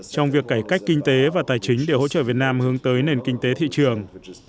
trong việc cải cách kinh tế và tài chính để hỗ trợ việt nam hướng tới nền kinh tế thị trường